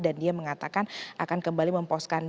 dan dia mengatakan akan kembali memposkan